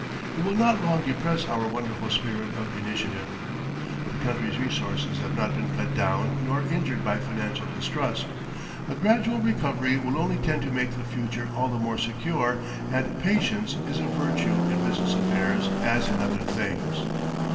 It will not long depress our wonderful spirit of initiative. The country's resources have not been cut down nor injured by financial distrust. A gradual recovery will only tend to make the future all the more secure, and patience is a virtue in business affairs as in other things.